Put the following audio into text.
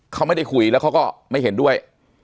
เขาไม่ได้คุยแล้วเขาก็ไม่เห็นด้วย